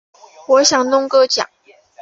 我想弄个奖